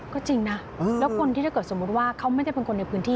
ก็จริงนะแล้วคนที่ถ้าเกิดสมมุติว่าเขาไม่ได้เป็นคนในพื้นที่